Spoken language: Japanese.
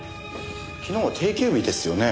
昨日は定休日ですよねえ。